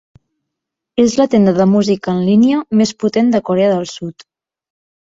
És la tenda de música en línia més potent de Corea del Sud.